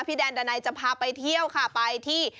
แดนดานัยจะพาไปเที่ยวค่ะไปที่